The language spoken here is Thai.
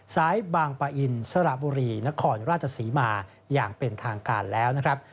สายบางปะอินสระบุรีนครราชศรีมาอย่างเป็นทางการแล้วนะครับ